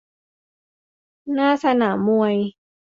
หน้าสนามมวย